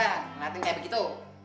kenapa ngeliatin kayak begitu